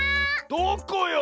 どこよ⁉